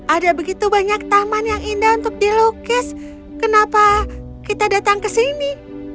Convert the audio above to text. ada begitu banyak taman yang indah untuk dilukis kenapa kita datang ke sini